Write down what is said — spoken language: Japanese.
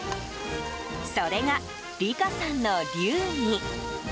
それが、理佳さんの流儀。